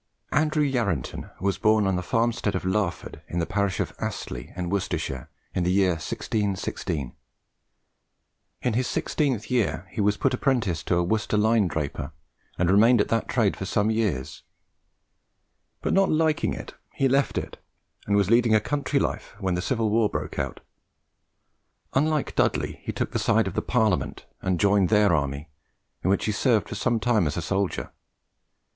Andrew Yarranton was born at the farmstead of Larford, in the parish of Astley, in Worcestershire, in the year 1616. In his sixteenth year he was put apprentice to a Worcester linendraper, and remained at that trade for some years; but not liking it, he left it, and was leading a country life when the civil wars broke out. Unlike Dudley, he took the side of the Parliament, and joined their army, in which he served for some time as a soldier.